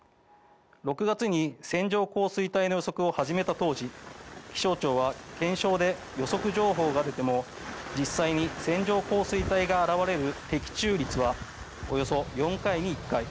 ６月に線状降水帯の予測を始めた当時気象庁は検証で予測情報が出ても実際に線状降水帯が現れる的中率はおよそ４回に１回。